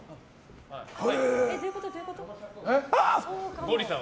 どういうこと？